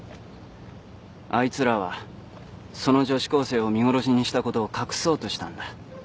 あいつらはその女子高生を見殺しにしたことを隠そうとしたんだ。